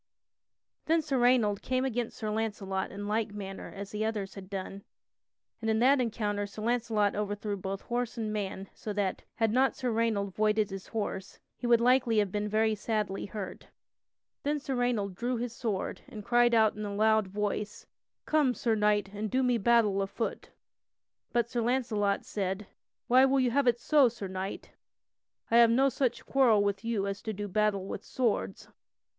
[Sidenote: Sir Launcelot wins from Sir Raynold] Then Sir Raynold came against Sir Launcelot in like manner as the others had done, and in that encounter Sir Launcelot overthrew both horse and man so that, had not Sir Raynold voided his horse, he would likely have been very sadly hurt. Then Sir Raynold drew his sword and cried out in a loud voice: "Come, Sir Knight, and do me battle afoot!" But Sir Launcelot said: "Why will you have it so, Sir Knight? I have no such quarrel with you as to do battle with swords."